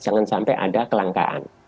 jangan sampai ada kelangkaan